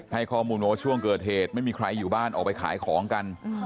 ให้ข้อมูลบอกว่าช่วงเกิดเหตุไม่มีใครอยู่บ้านออกไปขายของกัน